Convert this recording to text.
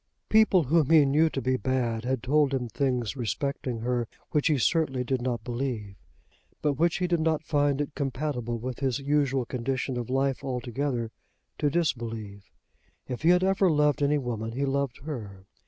People whom he knew to be bad had told him things respecting her which he certainly did not believe, but which he did not find it compatible with his usual condition of life altogether to disbelieve. If he had ever loved any woman he loved her.